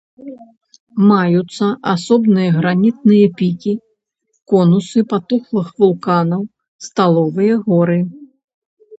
Маюцца асобныя гранітныя пікі, конусы патухлых вулканаў, сталовыя горы.